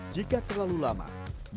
jika terlalu lambat tim bergerak dengan cepat